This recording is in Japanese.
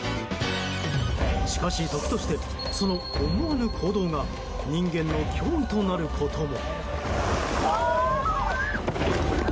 しかし、時としてその思わぬ行動が人間の脅威となることも。